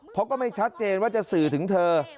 เพราะก็ไม่ชัดเจนว่าจะสื่อถึงเธอ